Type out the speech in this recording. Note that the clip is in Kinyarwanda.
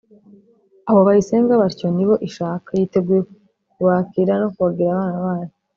. Abo bayisenga batyo ni bo ishaka. Yiteguye kubakira, no kubagira abana bayo.